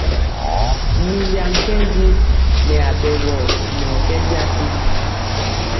Minja nkɛnji nɛ aɓɛgɔ nɛ ɔ kɛ jasi.